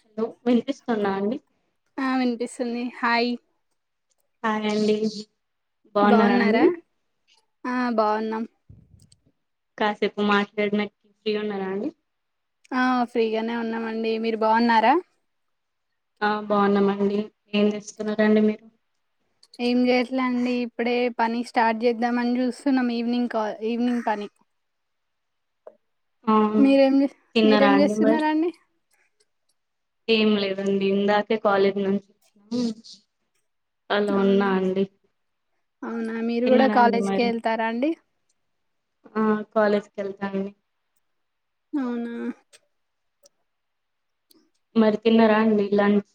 Hello వినిపిస్తుందా అండి ఆ వినిపిస్తుంది హాయ్ హాయ్ అండి బాగున్నారా అండి ఆ బాగున్నాం కాసేపు మాట్లాడినికీ ఫ్రీ ఉన్నారా అండి ఆ ఫ్రీగానే ఉన్నామండి మీరు బాగున్నారా ఆ బావున్నామండి ఏం చెస్తున్నరండి మీరు ఏం చేయట్లండి ఇప్పుడే పని స్టార్ట్ చేద్దామని చూస్తున్నాం ఈవినింగ్ కాల్ ఈవినింగ్ పని [inaudible] అవును మీరేం తిన్నారా మీరేం అండి మరి చేస్తున్నారాండి ఏం లేదండి ఇందాకే కాలేజీ నుంచి ఆలా ఉన్నా అవునా అండి అవునా మీరు కూడా తిన్నారా అండి కాలేజ్ కే మరి వెళ్తారా అండి ఆ కాలేజ్ కి వెళ్తాండి అవునా మరి తిన్నారా అండి లంచ్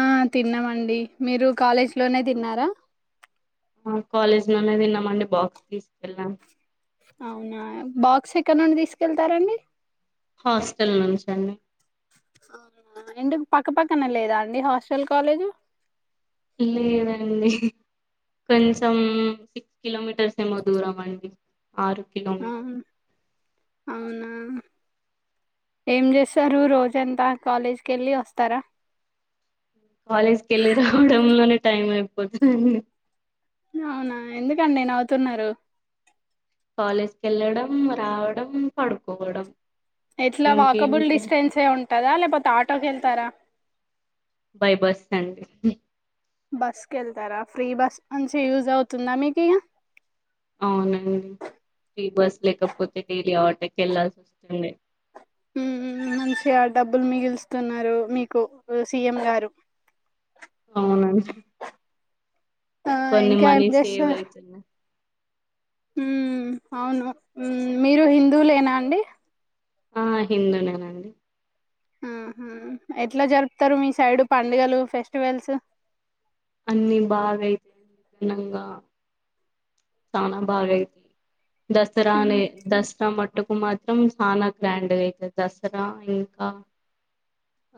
ఆ తిన్నామండి మీరు కాలేజ్ లోనే తిన్నారా అ కాలేజ్లోనే తిన్నమండీ బాక్స్ తీసుకెళ్ళాం అవునా బాక్స్ ఎక్కడ నుండి తీసుకెళ్తారండి హాస్టల్ నుంచ అండి అవునా ఇందుకు పక్క పక్కన లేదా అండి హాస్టల్ కాలేజు ఇల్లు లేదండి కొంచెం సిక్స్ కిలోమీటర్స్ ఏమో దూరం అండి ఆరు కిలోమీటర్లు అవునా ఏం చేస్తారు రోజంతా కాలేజీకి వెళ్ళి వస్తారా కాలేజ్కి వెళ్ళి రావటంలోనే టైం అయిపోతుది అవునా ఎందుకండి నవ్వుతున్నారు కాలేజ్కి వెళ్ళడం రావడం పడుకోవడం ఎట్లా వాకబుల్ ఇంకేమిటి డిస్టెన్సే ఉంటందా లేకపోతే ఆటోక వెళ్తారా బై బస్సు కండి బస్సుకి వెళ్తారా ఫ్రీ బస్ నుంచి యూజ్ అవుతుందా మీకు అవునండి ఫ్రీ బస్ లేకపోతే డైలీ ఆటకి వెళ్లాల్సి వస్తుంది ఉంహు మంచిగా డబ్బులు మిగిల్ స్తున్నారు మీకు సీఎం గారు అవునండి ఆ కొన్ని ఇంకా ఏం మనీ సేవ్ అయితున్నాయి మ్ అవును మీరు హిందువులేనా అండి ఆ హిందునేనండి ఉహు ఎట్లా జరుపుతారు మీ సైడ్ పండుగలు ఫెస్టివల్స్ అన్ని బాగైతాయి నిదనంగా చానా భాగయి ఉమ్, దసరానే దసరా మ అటుకు మాత్రం చనా గ్రాండ్ గయితది దసరా ఇంకా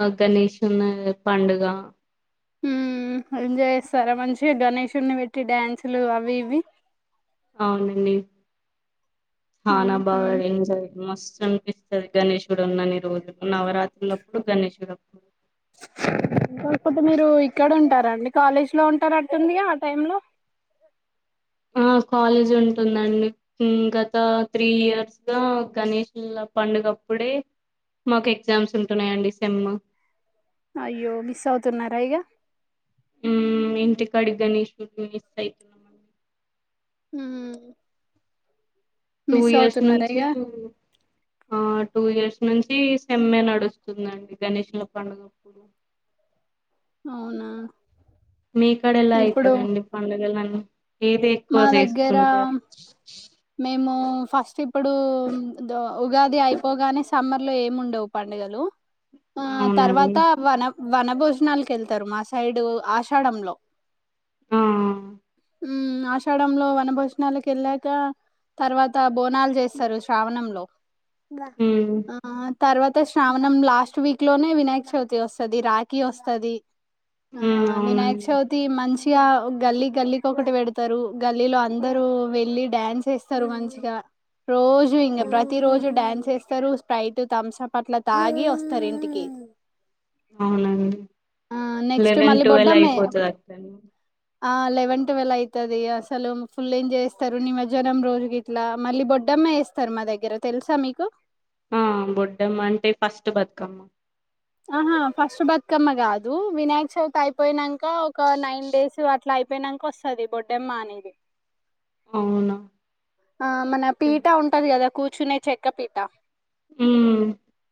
ఆ గణేష్న్ పండుగ మ్ ఎంజాయ్ చేస్తారా మంచిగా గణేషుడిని పెట్టి డ్యాన్సులు అవి ఇవి అవునండి హానా బాగా ఎంజాయ మస్త శ్రపిస్తది గణేషుడున్నని రోజులు నవరాత్రులప్పుడు గణేషుడుప్పుడు కాకపోతే మీరు ఇక్కడ ఉంటారా అండి కాలేజ్ లో ఉంటార అటుందిగా ఆ టైమ్ లో ఆ కాలేజ్ ఉంటుందండి మ్ గత త్రీ ఇయర్స్ గా గణేష్ ప ఇంగ అప్పుడే మాకు ఎగ్జామ్స్ ఉంటున్నాయండి సెమ్ అయ్యో మిస్ అవుతున్నారా ఇగ మ్ ఇంటి కాడి గణేశుని పూజిస్తాయ్ మ్ టూ ఇయర్స్ నుంచి ఆ టూ ఇయర్స్ ఇ నుంచి సేమ్మే నడుస్తుందిండి గణషల పండుగప్పుడు అవునా మీకాడ ఎలా ఇప్పుడు అయితుందిండి పండుగలన్నీ ఏది ఎక్కువ మా దగ్గర చేసుకుంటారు మేము ఫస్ట్ ఇప్పుడు దొ ఉగాది అయిపోగానే సమ్మర్ లో ఏమి ఉండవు పండుగ గలు ఆ అవునండి తర్వాత వన వన భోజనాలకు వెళ్తారు మా సైడు ఆషాఢంలో ఆ ఉమ్ ఆషాఢంలో వనభోజణాలకు వెళ్ళాక తర్వాత బోనాలు చేస్తారు శ్రావణంలో హ్మ్ తర్వాత శ్రావణం లాస్ట్ వీక్ లోనే వినాయక చవితి వస్తది రాఖీ వస్తది ఆ హ్మ్ వినాయక అవునండి చవితి మంచి ఇగా గల్లీ గల్లీ కొకటి పెడతారు గల్లీలో అందరు వెళ్ళి డ్యాన్స్ చేస్తారు మంచిగా రోజు ఇంగా హ్మ్. ప్రతి రోజు డ్యాన్స్ చేస్తారు స్ప్రైట్ తంసప్ అట్ల తాగి వస్తారు ఇంటికి అవునండి ఆ నెక్స్ట్ లెవెన్ మళ్ళీ టువెల్ బొడ్డమ్మే అయిపోతాది అట్లనే ఆ లవెన్ టువెల్ అయితది అసలు ఫుల్ ఏంజెయ్ చేస్తారు నిమర్జ్ జనం రోజు గిట్లా మళ్ళీ బొడ్డెమ్మ వేస్తారు మా దగ్గర తెలుసా మీకు ఆ బొడ్డెమ్మ అంటే ఫస్ట్ బతుకమ్మ ఆహా ఫస్ట్ బతుకమ్మ కాదు వినాయక చవితి అయిపోయినంక ఒక నైన్ డేస్ అట్లా అయ్ అయిపోయినంక వస్తది బొడ్డెమ్మ అనేది అవునా ఆ మన పీట ఉంటది కదా కూర్చునే చెక్క పీట హు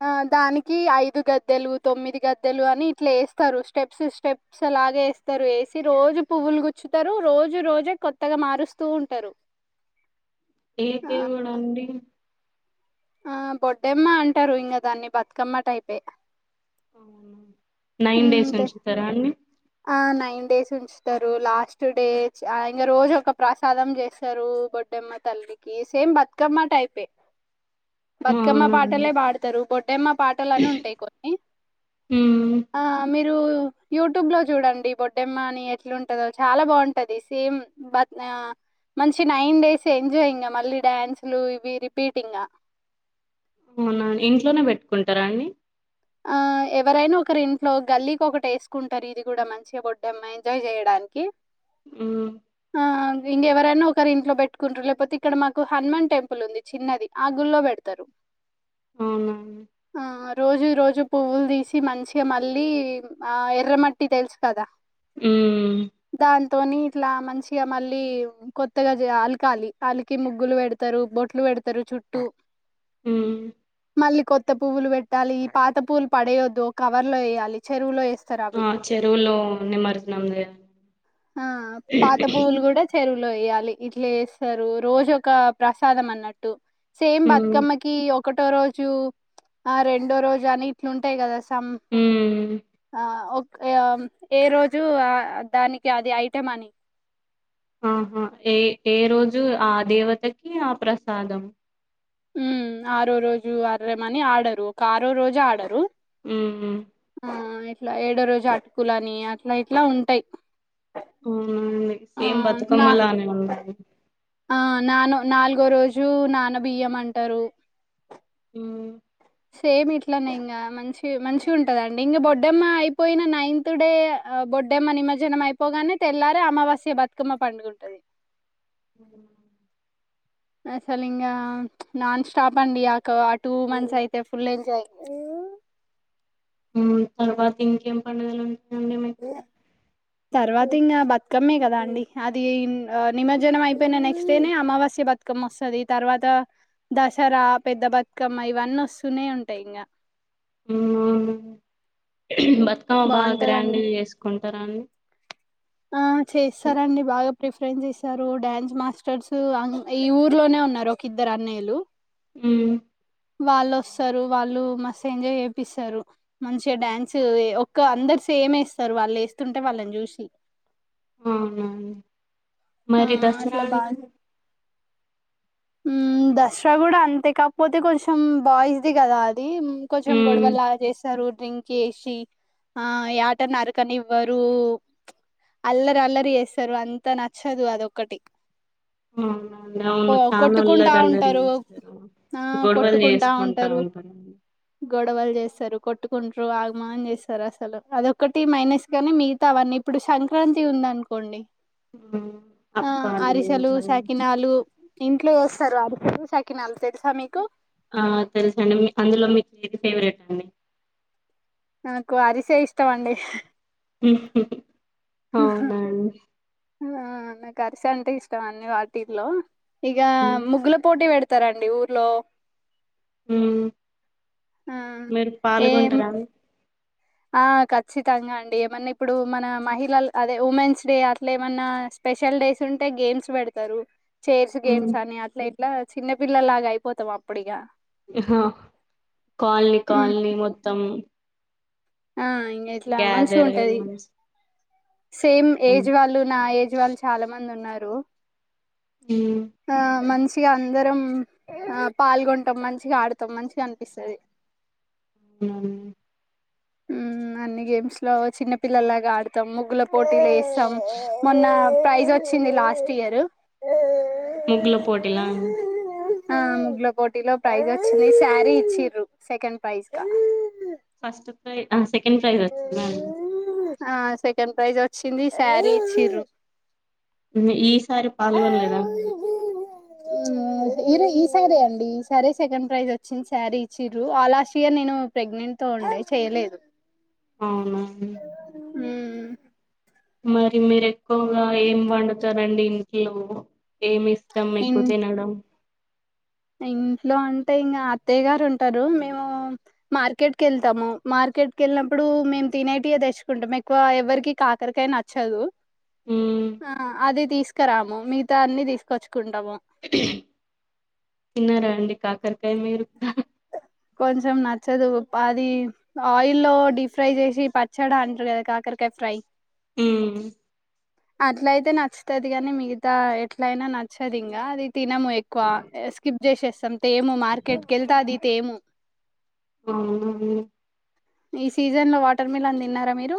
ఆ దానికి ఐదు గద్దెలు తొమ్మిది గద్దెలు అని ఇట్లా వేస్తారు స్టెప్స్ స్టెప్సలాగే స్తుతరు వేసి రోజు పువ్వులు గుచ్చుతారు రోజు రోజే కొత్తగా మారుస్తుంటారు ఏ దేవుడండి ఆ బొడ్డెమ్మ అంటారు ఇంగ దాన్ని బతుకమ్మ టైపే నైన్ డేస్ ఉమ్, ఉంచుతారండీ ఆ నైన్ డేస్ ఉంచుతారు లాస్ట్ డే ఇంగ రోజు ఒక ప్రసాదం చేస్తారు బొడ్డేమ్మా తల్లికి సేమ్ బతుకమ్మ టైపే బతుకమ్మ అవునా అండి పాటలే పాడతారు బొడ్డెమ్మ పాటలని ఉంటాయి కొన్ని హ్మ్ ఆ మీరు యూటుబ్లో చూడండి బొడ్డెమ్మ అని ఎట్లుంటందో చాలా బాగుంటది సేమ్ [unintelligible] మంచి నైన్ డేస్ ఎంజాయ్ ఇంగా మళ్ళీ డ్యాన్సులు ఇవి రిపీట్ ఇంగ అవునా ఇంట్లోనే పెట్టుకుంటారండి ఆ ఎవరైనా ఒకరి ఇంట్లో గల్లీకి ఒకటి ఏసుకుంటారు ఇది కూడ మంచిగా బొడ్డెమ్మ ఎంజాయ్ చేయడానికి హ్మ్ ఆ ఇంగేవరన్న ఒకరి ఇంట్లో పెట్టుకుంటు లేకపోతే ఇక్కడ మాకు హనుమాన్ టెంపుల్ ఉంది చిన్నది ఆ గుళ్లో పెడతారు అవునా ఆ రోజు రో జు పువ్వులు తీసి మంచిగా మళ్ళీ ఆ ఎర్రమట్టి తెలుసు కదా హు దంతోని ఇట్ల మంచిగా మళ్ళీ కొత్తగా అలకాలి అలికి ముగ్గులు పెడతారు బొ పెడతారు చుట్టు హు మళ్ళీ కొత్త పువ్వులు పెట్టాలి ఈ పాత పువ్వులు పడేయద్దు ఓ కవర్ లో వేయాలి చెరువులో ఎస్ ఆ చెరువుల్లో నిమజ్జనంజే ఆ పాత బువులు కూడ చెరువులో ఏయాలి ఇట్ల ఎస్తారు రోజు ఒక ప్రసాదం అన్నట్టు సేమ్ హ్మ్ బతుకమ్మకి ఒకటో రోజు ఆ రెండో రోజు అని ఇట్లుంటాయి కదా తం హ్మ్ ఆ ఒకే ఆ ఏ రోజు దాని ఆది ఐటమ్ అని ఆహా ఏ ఎ రోజు ఆ దేవతకి ఆ ప్రసాదం హు ఆరో రోజు అరమ్మని ఆడరు ఒక ఆరో రోజు ఆడరు హుహు ఇట్ల ఏడో రోజు అటుకులని అట్ల ఇట్ల ఉంటాయ్ హు సేమ్ బతుకమ్మలానే ఉం ఆ నానో నాలుగో రోజు నాన బియ్యం అంటారు హు సేమ్ ఇట్లనే ఇంగ మంచి మంచిగుంటదండి ఇంగా బొడ్డెమ్మ అయిపోయిన నైన్త్ డే బొడ్డెమ్మ నిమర్జనం అయిపోగానే తెల్లారే అమవాస్య బతుకమ్మ పండుగుంటది ఉ అసలు ఇంగ నాన్ స్టాప్ అండి ఆక ఆ టూ మంత్స్ అయితే ఫుల్ ఎంజాయ్ [unintelligible] ఉ తరువాత ఇంకేం పండుగలు ఉం ఏ తర్వాత ఇంగా బతుకమ్మే కదా అండి అది నిమజ్జనం అయిపోయిన నెక్స్ట్ డేనే అమావాస్య బతుకమ్మ వస్తది తర్వాత దసరా పెద్ద బతుకమ్మ ఇవన్నీ వస్తూనే ఉంటాయి, ఇంగ ఉ బతుకమ్మ బాగ గ్రాండ్ బాగుంటదండి గా చేసుకుం టార అండీ ఆ చేస్తారండి బాగ ప్రి ప్రిపేర్ చేస్తారు డ్యాన్స్ మాస్టర్స్ ఈ ఊర్లోనే ఉన్నారు ఒక ఇద్దరు అన్నయలు ఉ వళ్ళోస్తారు, వాళ్ళు మస్ ఎంజాయ్ చేపిస్తారు, మంచిగా డ్యాన్స్ ఒక్క అందరు సేమ్ ఎస్తారు వాళ్ళు వేస్తుంటే వాళ్ళని చూసి అవున ఆ మరి దసరా ఉ దసరా కూడా అంతే, కాకపోతే కొంచెం బాయ్స్ ది కదా అ, అది కొంచెం హ్మ్ గొడవలా చేస్తారు, డ్రింక్ చేసి ఆ యాటని నరక నివారు, అల్లరి, అల్లరి చేస్తారు. అంత నచ్చదు అదొక్కటి ఆ అవును చా కొట్టుకుంటా అల్లరి అల్లరి ఉంటారు చేస్తారు, ఆ గొడవలు కొట్టుకుంటా చేసుకుంటా ఉంటారు. గొడవలు చేస్తారు, కొట్టుకుంటారు, ఆగమాగం చేస్తారు, అసలు అదొక్కటి మైనస్ గాని మిగతా అవన్నీ ఇప్పుడు సంక్రాంతి ఉంద, అనుకోండి ఉమ్, ఆ అప్పాలు అరిసలు, ఇవన్నీ సకినాలు ఇంట్లో ఓస్తారు, అరిసెలు, సాకినాలు తెలుసా మీకు ఆ తెలుస అండి అందులో, మీకు ఏది ఫేవరెట్ అండి నాకు అరిసే, ఇష్టం అండీ హు అవునండి, ఆ నాకు అరిసే అంటే ఇష్టం, అండీ వాటిలో ఇగా ముగ్గుల పోటీ పెడత, తారండి, ఊర్లో మ్మ్ ఆ మీరు ఎం పాల్గొంటారా ఆ ఖచ్చితంగా అండి ఏమన్నా, ఇప్పుడు మన మహిళలు అదే ఉమెన్స్ డే అట్లా ఏమన్నా, స్పెషల్ డేస్, ఉంటే గేమ్స్ పెడతారు, చైర్స్ ఉమ్, గేమ్స్ అని అట్లా ఇట్లా చిన్న పిల్లలాగా అయిపోతాం, అప్పుడు ఇగా ఆహా కాలనీ, ఉమ్, కాలనీ మొత్తం ఆ ఇంకా ఇట్లా మంచిగా గ్యాదర్ అయి ఉంటది, మనస్ సేమ్ ఏజ్ అవునండి వాళ్ళు నా ఏజ్ వాళ్ళు చాలా మంది ఉన్నారు, ఉమ్, ఆ మన్సు మంచిగా అందరం, ఆ పాల్గొనంటాం మంచిగా ఆడతాం మంచిగా అనిపిస్తుంది. ఉ అన్ని గేమ్స్ లో చిన్న పిల్లల్లాగా ఆడతాం ముగ్గుల పోటిలు వేస్తాం, మొన్న ప్రైజ్ వచ్చింది లాస్ట్ ఇయర్, ముగ్గుల పోటీలా ఆ ముగ్గుల పోటీలో ప్రైజ్ వచ్చింది, శారీ ఇచ్చిర్రు సెకండ్ ప్రైజ్ గా ఆహ్ సెకడ్ ప్రైజ్ వచ్చిందా. ఆ సెకండ్ ప్రైజ్ వచ్చింది. శారీ ఇచ్చిరు ఈసారి పాల్గొనలేదా, [unintelligible] ఇరు ఈ సారీ అండి ఈ సారే సెకండ్ ప్రైజ్ వచ్చింది, సారీ ఇచ్చిరు ఆ లాస్ట్ ఇయర్ నేను ప్రెగ్నెంట్ తో ఉండే, చేయలేదు, అవునా అండి ఉ మరి మీరు ఎక్కువగా ఏం పండుతారండి ఇంట్లో ఏమి ఇస్తాం ఎక్కువ ఇన్ తినడం ఇంట్లో అంటే ఇకా అత్తయ్య గారు ఉంటారు మేము మార్కెట్ క వెళ్తాము మార్ క్రికెట్కి వెళ్ళినప్పుడు మేము తినేటియ తెచ్చుకుంటాం ఎక్కువ ఎవరికి కాకరకాయ నచ్చదు మ్మ్ ఆ అది తీసుకురాము మిగతా అన్ని తీసుకొచ్చుకుంటాము తిన్నార అండి కాకరకాయ మిరూ కొంచం నచ్చదు అది ఆయి లో డీప్ ఫ్రై చేసి పచ్చడా అంటారు కదా కాక కె ఖఫ్రై ఉ అట్ల అయితే నచ్చుతది కాని మిగతా ఎట్లయినా నచ్చదు ఇంకా అది తినము ఎక్కువ స్కిప్ చేసేస్తాం తేము మార్కెట్ క వెళ్తా అది తేము అవునండి ఈ సీజన్ లో వాటర్ మిలన్ తిన్నారా మీరు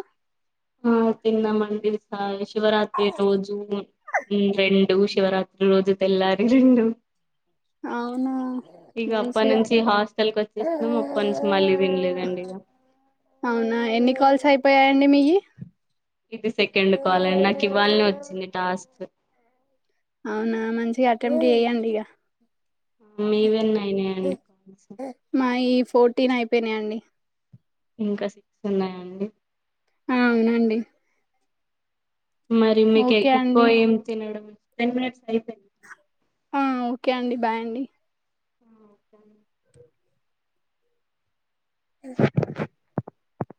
ఆ తిన్నామండి సా శివరాత్రి రోజు రెండు శివరాత్రి రోజు తెల్లాలి రెండు అవునా ఇక అప్ప మంచిగా నుంచి హాస్టల్ క వచ్చేసాం అప్పనుంచి మళ్ళీ వినలేదండి ఇక అవునా ఎన్ని కాల్స్ అయిపోయాయండి మీవి ఇది సెకండ్ కాలండి నాకు ఇవవాలని వచ్చింది టాస్క్ అవునా మంచిగా అటెంప్ట్ చెయ్యండి ఇక మీవెన్న అయినాయండి మాయి ఫోర్టీన్ అయిపోయినా అండి ఇంకా సిక్స్ ఉన్నాయండి ఆ అవునండి మరి మీకు ఓకే ఎక్కువ అండి ఏం తినడం టెన్ మినిట్స్ అయితాయి ఆ ఓకే అండి బాయ్ అండి. ఆ ఓకే అండి